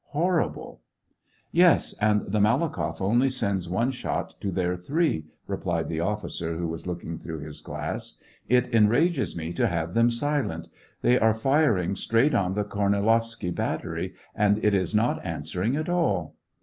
Hor rible !"'' Yes, and the Malakoff only sends one shot to their three," replied the officer who was looking through his glass. " It enrages me to have them silent. They are firing straight on the Kornilov sky battery, and it is not answering at all."